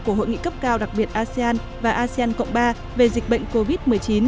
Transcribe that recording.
của hội nghị cấp cao đặc biệt asean và asean cộng ba về dịch bệnh covid một mươi chín